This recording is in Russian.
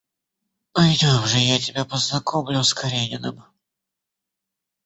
Пойдем же, я тебя познакомлю с Карениным.